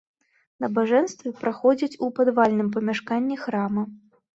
Набажэнствы праходзяць у падвальным памяшканні храма.